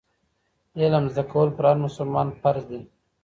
علم زده کول پر هر مسلمان فرض دي.